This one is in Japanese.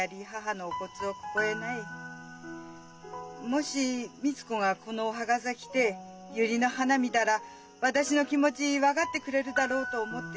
もし光子がこのお墓さ来てユリの花見だら私の気持ち分かってくれるだろうと思ってない。